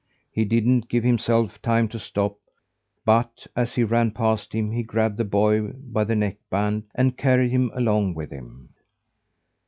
He didn't give himself time to stop; but, as he ran past him, he grabbed the boy by the neck band and carried him along with him.